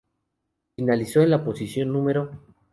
Finalizó en la posición No.